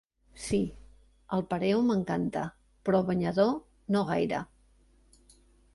Sí, el pareo m'encanta, però el banyador no gaire.